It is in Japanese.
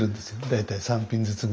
大体３品ずつぐらい。